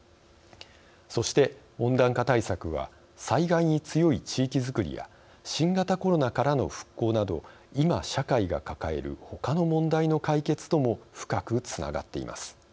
そして、温暖化対策は災害に強い地域作りや新型コロナからの復興など今、社会が抱えるほかの問題の解決とも深くつながっています。